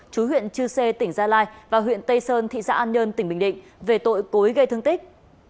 chú huyện chư sê tỉnh gia lai và huyện tây sơn thị xã an nhơn tỉnh bình định về tội cối gây thương tích